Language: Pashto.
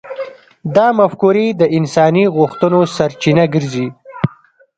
دا مفکورې د انساني غوښتنو سرچینه ګرځي.